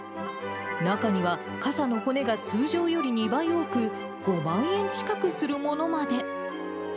中には、傘の骨が通常より２倍多く５万円近くするものまで。